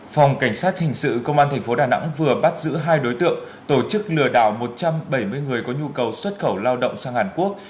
phòng cảnh sát hình sự công an tp đà nẵng vừa bắt giữ hai đối tượng tổ chức lừa đảo một trăm bảy mươi người có nhu cầu xuất khẩu lao động sang hàn quốc